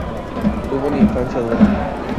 Tuvo una infancia dura.